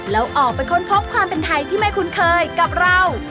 แล้วออกไปค้นพบความเป็นไทยที่ไม่คุ้นเคยกับเรา